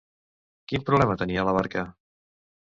Quin problema tenia la barca?